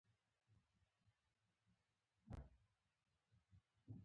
افغانستان کې ژبې د هنر په بېلابېلو اثارو کې په پوره ډول منعکس کېږي.